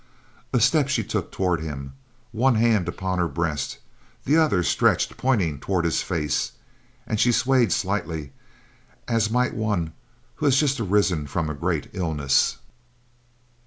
A step she took toward him, one hand upon her breast, the other stretched pointing toward his face, and she swayed slightly as might one who has just arisen from a great illness.